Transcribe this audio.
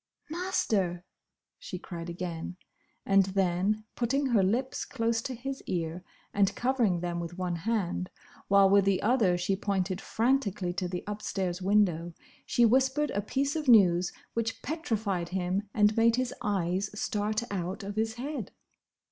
"Master!" she cried again; and then, putting her lips close to his ear and covering them with one hand, while with the other she pointed frantically to the upstairs window, she whispered a piece of news which petrified him and made his eyes start out of his head.